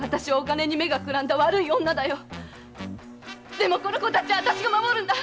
でもこの子たちはあたしが守るんだ！